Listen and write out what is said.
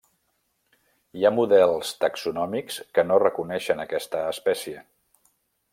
Hi ha models taxonòmics que no reconeixen aquesta espècie.